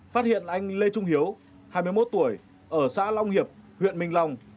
phát hiện anh lê trung hiếu hai mươi một tuổi ở xã long hiệp huyện minh long